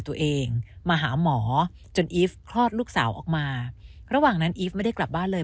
ตัวเองมาหาหมอจนอีฟคลอดลูกสาวออกมาระหว่างนั้นอีฟไม่ได้กลับบ้านเลย